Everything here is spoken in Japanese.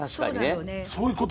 そういうことか。